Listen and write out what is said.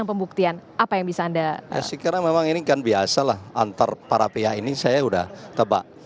sekiranya memang ini kan biasa lah antar para pihak ini saya sudah tebak